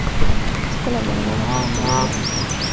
Es colaboradora de Self Magazine.